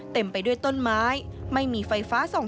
เต็มไปด้วยต้นไม้ไม่มีไฟฟ้าส่อง